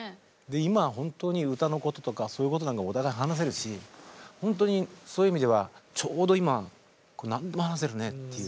今は本当に歌のこととかそういうことなんかもお互い話せるし本当にそういう意味ではちょうど今何でも話せるねっていう。